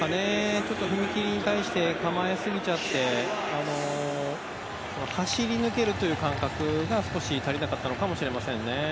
ちょっと踏み切りに対して構えすぎちゃって走り抜けるという感覚が少し足りなかったのかもしれません。